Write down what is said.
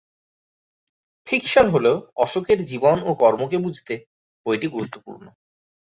Fiction হলেও অশোকের জীবন ও কর্মকে বুঝতে বইটি গুরুত্বপূর্ণ।